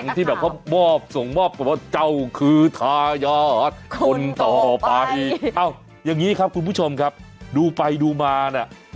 ที่แบบเขามอบส่งมอบเจ้าคือทายาทคนต่อไปเอ้าอย่างนี้ครับคุณผู้ชมครับดูไปดูมาเนี่ย